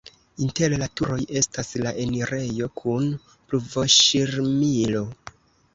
Inter la turoj estas la enirejo kun pluvoŝirmilo.